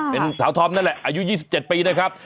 เป็นสาวธอมนั่นแหละอายุ๒๗ปีนะครับ